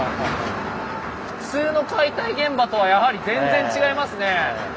普通の解体現場とはやはり全然違いますね。